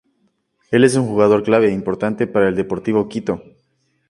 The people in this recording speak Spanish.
Él es un jugador clave importante para el Deportivo Quito.